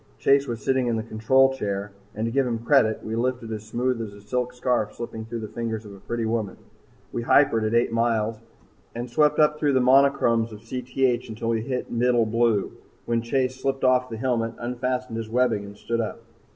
Chase was sitting in the control chair, and to give him credit, we lifted as smooth as a silk scarf slipping through the fingers of a pretty woman. We hypered at eight miles and swept up through the monochromes of Cth until we hit middle blue, when Chase slipped off the helmet, unfastened his webbing, and stood up.